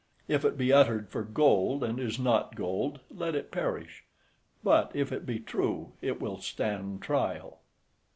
If it be uttered for gold and is not gold, let it perish; but if it be true, it will stand trial.